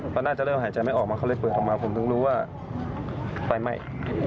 มันน่าจะเริ่มหายใจไม่ออกมาเขาเลยเปิดออกมาผมถึงรู้ว่าไฟไหม้